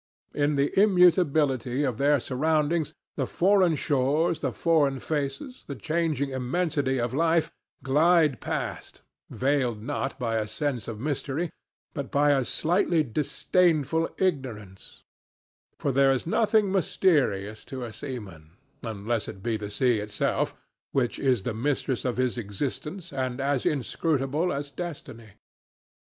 In the immutability of their surroundings the foreign shores, the foreign faces, the changing immensity of life, glide past, veiled not by a sense of mystery but by a slightly disdainful ignorance; for there is nothing mysterious to a seaman unless it be the sea itself, which is the mistress of his existence and as inscrutable as Destiny.